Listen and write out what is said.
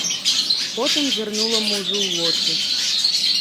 Потым зірнула мужу ў вочы.